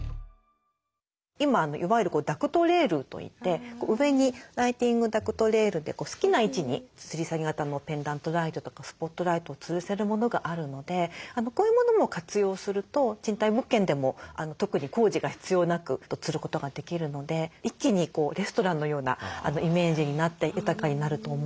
今いわゆるダクトレールといって上にライティングダクトレールで好きな位置につり下げ型のペンダントライトとかスポットライトをつるせるものがあるのでこういうものも活用すると賃貸物件でも特に工事が必要なくつることができるので一気にレストランのようなイメージになって豊かになると思うので。